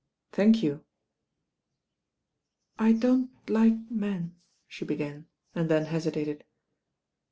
"Thank you." "I don't like men," she began, and then hesitated.